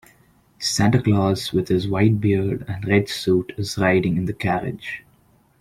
Santa Clause with his white beard and red suit is riding in the carriage.